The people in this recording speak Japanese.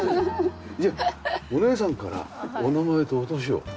じゃお姉さんからお名前とお年を。